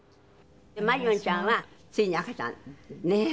万梨音ちゃんはついに赤ちゃんねえ？